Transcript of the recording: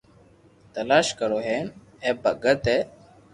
تلاݾ ڪريو ھي ھين اي ڀگت اي